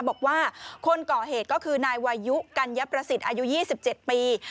บอกว่าคนก่อเหตุก็คือนายวายุกัญญประสิทธิ์อายุ๒๗ปี